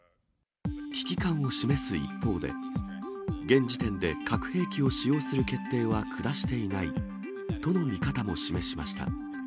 危機感を示す一方で、現時点で核兵器を使用する決定は下していないとの見方も示しました。